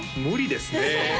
無理ですね